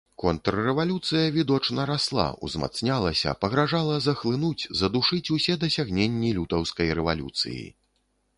Контррэвалюцыя відочна расла, узмацнялася, пагражала захлынуць, задушыць усе дасягненні лютаўскай рэвалюцыі.